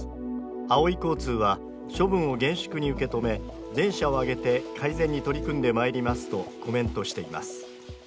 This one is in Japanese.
あおい交通は処分を厳粛に受け止め全社を挙げて改善に取り組んでまいりますとコメントしています。